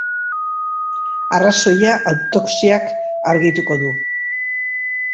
Arrazoia autopsiak argituko du.